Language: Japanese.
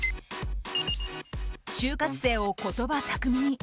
就活生を言葉巧みに。